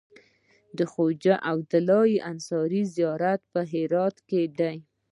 د خواجه عبدالله انصاري زيارت په هرات کی دی